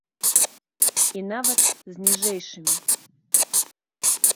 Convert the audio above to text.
І нават з ніжэйшымі.